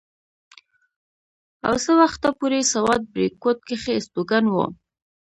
او څه وخته پورې سوات بريکوت کښې استوګن وو